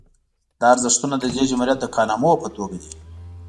دا ارزښتونه د دې جمهوریت د کارنامو په توګه دي